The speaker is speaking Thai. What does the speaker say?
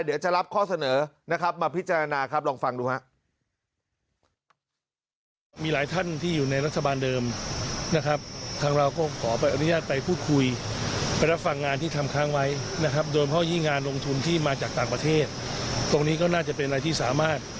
เดี๋ยวจะรับข้อเสนอนะครับมาพิจารณาครับลองฟังดูครับ